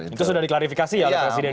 itu sudah diklarifikasi ya pak presiden juga